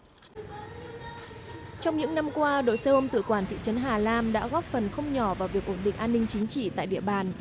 trong những năm qua đội xe ôm tự quản thị trấn hà lam đã góp phần không nhỏ vào việc ổn định an ninh chính trị tại địa bàn